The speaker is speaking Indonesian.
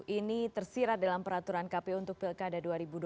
ini tersirat dalam peraturan kpu untuk pilkada dua ribu dua puluh